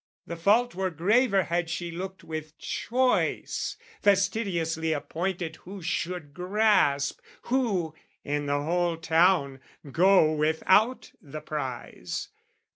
The fault were graver had she looked with choice, Fastidiously appointed who should grasp, Who, in the whole town, go without the prize!